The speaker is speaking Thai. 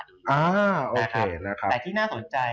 แต่ที่น่าสนใจ